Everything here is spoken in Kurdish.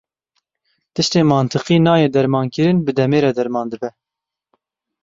Tiştê mantiqî nayê dermankirin, bi demê re derman dibe.